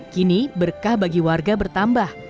kini berkah bagi warga bertambah